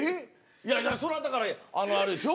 いやいやそらだからあれでしょ？